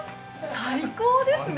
最高ですね。